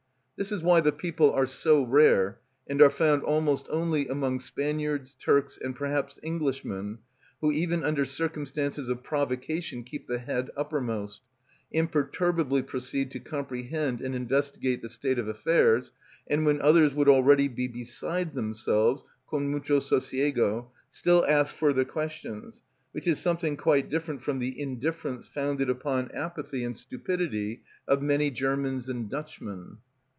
This is why the people are so rare, and are found almost only among Spaniards, Turks, and perhaps Englishmen, who even under circumstances of provocation keep the head uppermost, imperturbably proceed to comprehend and investigate the state of affairs, and when others would already be beside themselves, con mucho sosiego, still ask further questions, which is something quite different from the indifference founded upon apathy and stupidity of many Germans and Dutchmen.